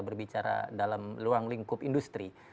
berbicara dalam ruang lingkup industri